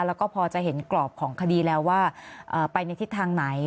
แล้วก็พอจะเห็นกรอบของคดีแล้วว่าไปในทิศทางไหน